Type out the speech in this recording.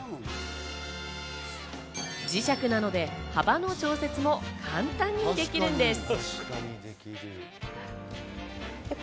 磁石なので幅の調節も簡単にできるんです。